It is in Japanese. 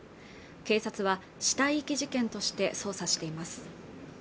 警察は死体遺棄事件として捜査しています